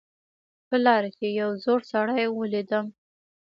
په لاره کې یو زوړ سړی ولیدم